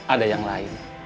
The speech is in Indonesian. ada yang lain